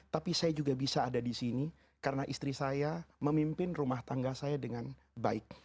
tapi saya juga bisa ada di sini karena istri saya memimpin rumah tangga saya dengan baik